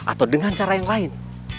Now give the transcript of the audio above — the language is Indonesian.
atau dengan cara yang lain